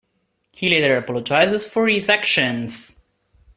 He later apologised for his actions.